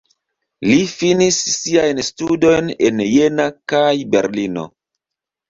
Li finis siajn studojn en Jena kaj Berlino.